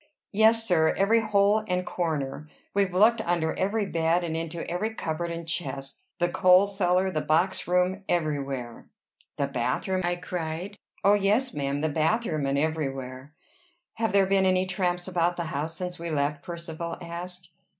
"Yes, sir; every hole and corner. We've looked under every bed, and into every cupboard and chest, the coal cellar, the boxroom, everywhere." "The bathroom?" I cried. "Oh, yes, ma'am! the bathroom, and everywhere." "Have there been any tramps about the house since we left?" Percivale asked.